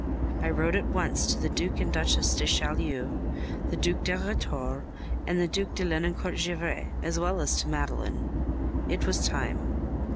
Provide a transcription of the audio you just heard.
I wrote at once to the Duc and Duchesse de Chaulieu, the Duc de Rhetore, and the Duc de Lenoncourt Givry, as well as to Madeleine. It was time.